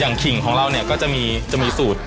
อย่างขิงของเราก็จะมีสูตร